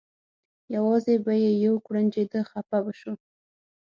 یوازې به یې یو کوړنجېده خپه به شو.